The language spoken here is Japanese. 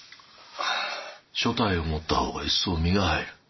所帯を持った方が一層身が入る。